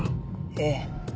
ええ。